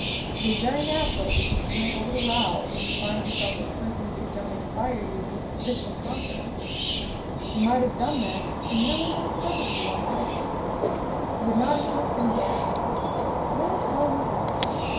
It is very natural that you should make a little row when you find yourself with persons who don't inspire you with sufficient confidence. You might have done that, and no one would have troubled you on that account. You would not even have been gagged. And I will tell you why.